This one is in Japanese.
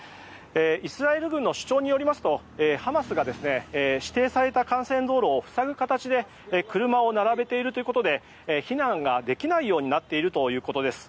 イスラエル軍の主張によりますとハマスが指定された幹線道路を塞ぐ形で車を並べているということで避難ができないようになっているということです。